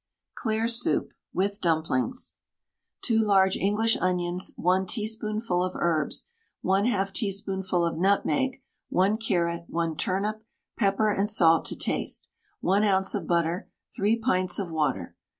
CLEAR SOUP (with Dumplings). 2 large English onions, 1 teaspoonful of herbs, 1/2 teaspoonful of nutmeg, 1 carrot, 1 turnip, pepper and salt to taste, 1 oz. of butter, 3 pints of water.